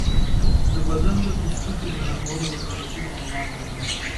د بدن د پوستکي د نرمولو لپاره کوم حمام وکړم؟